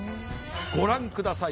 ご覧ください。